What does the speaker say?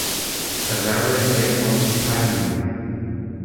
A variant name was "Piney".